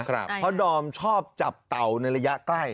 เพราะดอมชอบจับเต่าในระยะใกล้